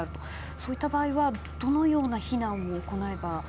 そういった場合はどのような避難を行えば？